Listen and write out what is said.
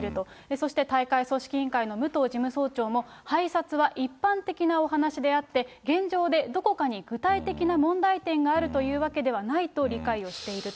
そして、大会組織委員会の武藤事務総長も、拝察は一般的なお話しであって、現状でどこかに具体的な問題点があるというわけではないと理解をしていると。